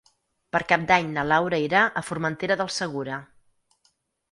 Per Cap d'Any na Laura irà a Formentera del Segura.